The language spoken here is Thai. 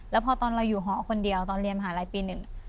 แล้วพอตอนเราอยู่หอคนเดียวตอนเรียนมหาลัยปีหนึ่ง